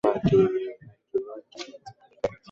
kushughulikia matatizo ya uchafuzi wa hewa ya kawaida na